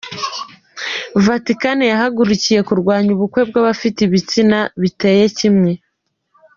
Vatikani yahagurukiye kurwanya ubukwe bw’abafite ibitsina biteye kimwe